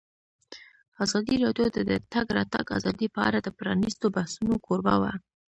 ازادي راډیو د د تګ راتګ ازادي په اړه د پرانیستو بحثونو کوربه وه.